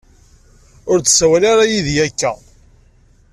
Ur d-ssawal ara yid-i akka.